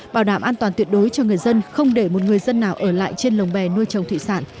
bảo đảm an toàn tuyệt đối cho người dân không để một người dân nào ở lại trên lồng bè nuôi trồng thủy sản